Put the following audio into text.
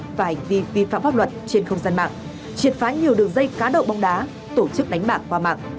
các loại tội phạm và hành vi vi phạm pháp luật trên không gian mạng triệt phá nhiều đường dây cá đậu bóng đá tổ chức đánh bạc qua mạng